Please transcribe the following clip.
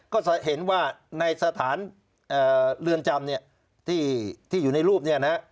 ก็จะเห็นว่าในสถานเรือนจำเนี่ยที่อยู่ในรูปเนี่ยนะ